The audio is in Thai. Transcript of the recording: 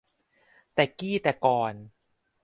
แต่กี้แต่ก่อน